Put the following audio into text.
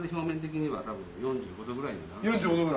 ４５度ぐらい。